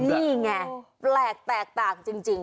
นี่ไงแปลกแตกต่างจริง